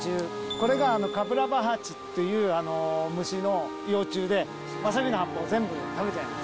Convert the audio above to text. これがカブラハバチという虫の幼虫で、わさびの葉っぱを全部食べちゃいます。